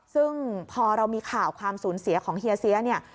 ซึ่งพอเรามีข่าวความสูญเสียของเฮียเสียเนี่ย